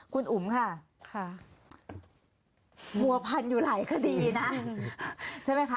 คุณอุ๋มค่ะหัวพันอยู่หลายคดีนะใช่ไหมคะ